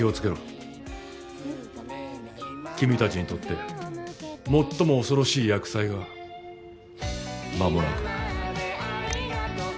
君たちにとってもっとも恐ろしい厄災が間も無く。